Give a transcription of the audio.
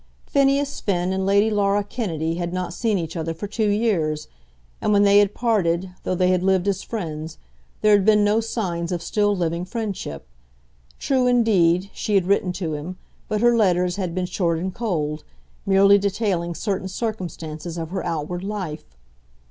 Phineas Finn and Lady Laura Kennedy had not seen each other for two years, and when they had parted, though they had lived as friends, there had been no signs of still living friendship. True, indeed, she had written to him, but her letters had been short and cold, merely detailing certain circumstances of her outward life.